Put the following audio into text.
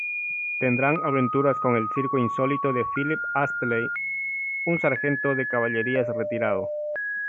Tendrán aventuras con el circo insólito de Philip Astley, un sargento de caballerías retirado.